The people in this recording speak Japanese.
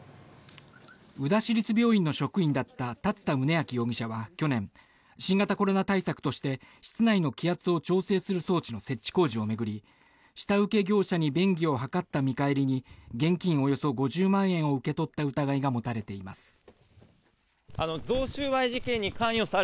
宇陀市立病院の職員だった龍田宗晃容疑者は去年新型コロナ対策として室内の気圧を調整する装置の設置工事を巡り下請け業者に便宜を図った見返りに現金およそ５０万円を受け取った疑いが持たれています。